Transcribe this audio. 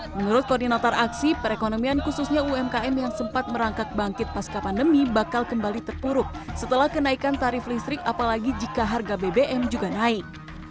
menurut koordinator aksi perekonomian khususnya umkm yang sempat merangkak bangkit pasca pandemi bakal kembali terpuruk setelah kenaikan tarif listrik apalagi jika harga bbm juga naik